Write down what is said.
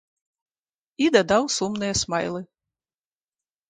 І дадаў сумныя смайлы.